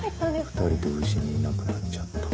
２人同時にいなくなっちゃった。